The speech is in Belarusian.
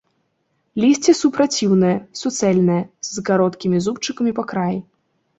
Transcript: Лісце супраціўнае, суцэльнае, з кароткімі зубчыкамі па краі.